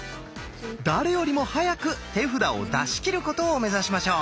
誰よりも早く手札を出し切ることを目指しましょう。